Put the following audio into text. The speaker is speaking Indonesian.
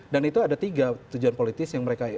dan itu ada tiga tujuan politis yang mereka